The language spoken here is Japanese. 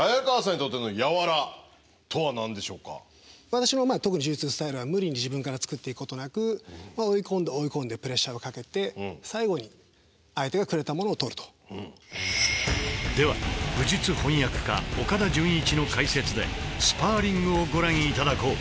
私のまあ特に柔術スタイルは無理に自分から作っていくことなく追い込んで追い込んでプレッシャーをかけてでは武術翻訳家岡田准一の解説でスパーリングをご覧頂こう。